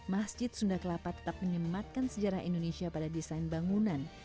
masjid sunda kelapa tetap menyematkan sejarah indonesia pada desain bangunan